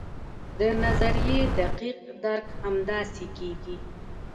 د نظریې دقیق درک همداسې کیږي.